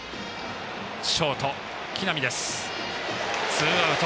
ツーアウト。